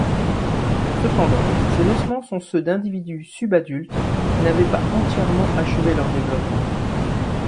Cependant, ces ossements sont ceux d'individus subadultes, qui n'avaient pas entièrement achevé leur développement.